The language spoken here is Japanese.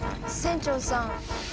船長さん